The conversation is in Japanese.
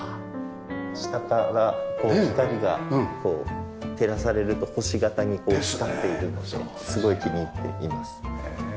下から光がこう照らされると星形に光っているのですごい気に入っています。